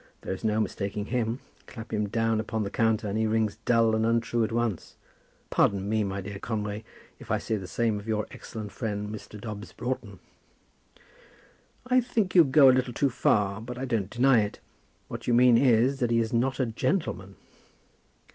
There is no mistaking him. Clap him down upon the counter, and he rings dull and untrue at once. Pardon me, my dear Conway, if I say the same of your excellent friend Mr. Dobbs Broughton." "I think you go a little too far, but I don't deny it. What you mean is, that he's not a gentleman."